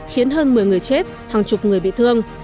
khiến hơn một mươi người chết hàng chục người bị thương